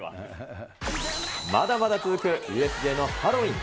まだまだ続くＵＳＪのハロウィーン。